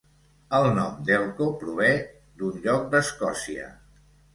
El nom d'Elcho prové d'un lloc d'Escòcia.